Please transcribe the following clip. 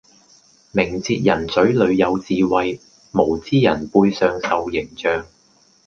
明哲人嘴裡有智慧，無知人背上受刑杖